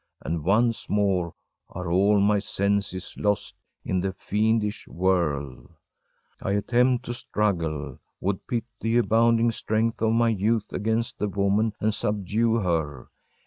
And once more are all my senses lost in the fiendish whirl! I attempt to struggle, would pit the abounding strength of my youth against the woman and subdue her.